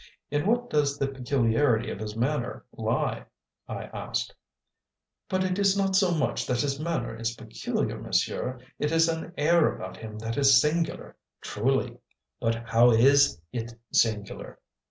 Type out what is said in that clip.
"In what does the peculiarity of his manner lie?" I asked. "But it is not so much that his manner is peculiar, monsieur; it is an air about him that is singular. Truly!" "But how is it singular?"